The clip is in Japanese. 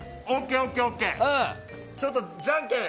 ちょっとじゃんけん。